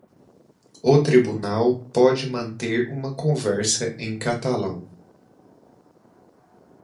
O tribunal pode manter uma conversa em catalão.